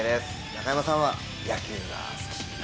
中山さんは野球が好き。